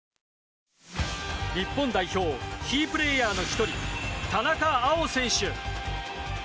日本代表キープレーヤーの一人田中碧選手。